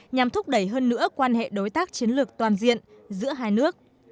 nhằm thúc đẩy hơn nữa quan hệ đối tác chiến lược toàn diện giữa hai nước